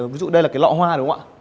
ví dụ đây là cái lọ hoa đúng không ạ